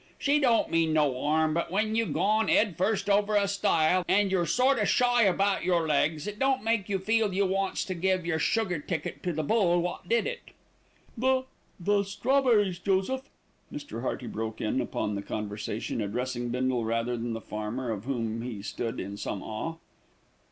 She don't mean no 'arm; but when you gone 'ead first over a stile, an' your sort o' shy about yer legs, it don't make you feel you wants to give yer sugar ticket to the bull wot did it." "The the strawberries, Joseph," Mr. Hearty broke in upon the conversation, addressing Bindle rather than the farmer, of whom he stood in some awe.